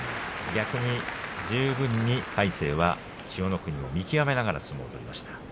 逆に魁聖は千代の国を見極めながら相撲を取りました。